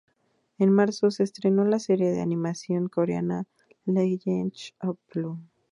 En marzo se estrenó la serie de animación coreana "Legend of Blue".